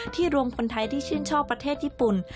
รวมคนไทยที่ชื่นชอบประเทศญี่ปุ่น